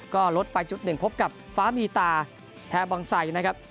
ก็ลดไป๐๑พบกับฟ้ามีตาแพรบองไสนะครับ